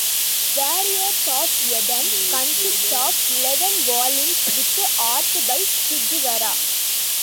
"Warriors of Eden" consists of eleven volumes, with art by Fujiwara.